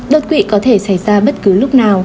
đột quỵ có thể xảy ra bất cứ lúc nào